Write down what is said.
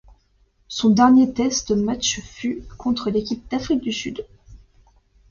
Son dernier test match fut contre l'équipe d'Afrique du Sud.